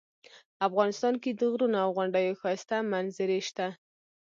افغانستان کې د غرونو او غونډیو ښایسته منظرې شته